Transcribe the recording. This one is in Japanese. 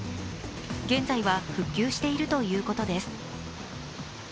現在は復旧しているということです。